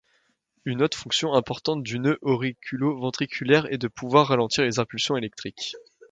Une autre fonction importante du nœud auriculo-ventriculaire est de pouvoir ralentir les impulsions électriques.